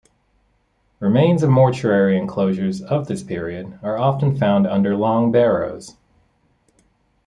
Remains of mortuary enclosures of this period are often found under long barrows.